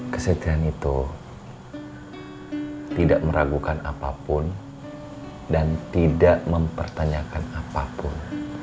kesetiaan itu tidak meragukan apapun dan tidak mempertanyakan apapun